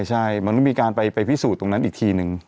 ใช่มันต้องมีการไปพิสูจน์ตรงนั้นอีกทีนึง